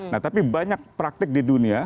nah tapi banyak praktik di dunia